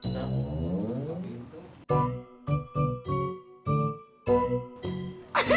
yang ini om